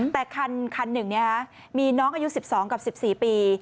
แต่คันหนึ่งมีน้องอายุ๑๒กับ๑๔ปี